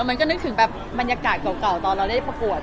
มันก็นึกถึงแบบบรรยากาศเก่าตอนเราได้ประกวด